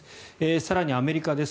更にアメリカです。